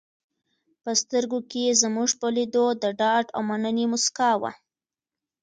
په سترګو کې یې زموږ په لیدو د ډاډ او مننې موسکا وه.